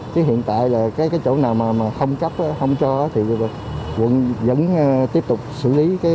chứ hiện tại là cái chỗ nào mà không cấp không cho thì quận vẫn tiếp tục xử lý